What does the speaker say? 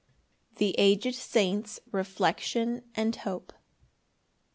The aged saint's reflection and hope.